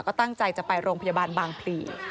ก็ตั้งใจจะไปโรงพยาบาลบางพลี